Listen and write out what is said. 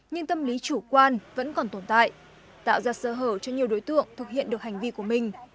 nhưng tâm lý chủ quan vẫn còn tồn tại tạo ra sơ hở cho nhiều đối tượng thực hiện được hành vi của mình